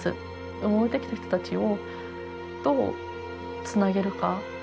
埋もれてきた人たちをどうつなげるか。